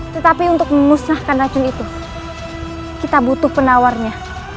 tetapi untuk memusnahkan racun itu kita butuh penawarnya